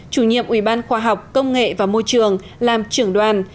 chủ nhiệm ủy ban khoa học công nghệ và môi trường làm trưởng đoàn